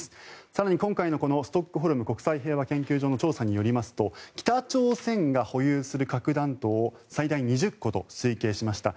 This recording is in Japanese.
更に今回のストックホルム国際平和研究所の調査によりますと北朝鮮が保有する核弾頭を最大２０個と推計しました。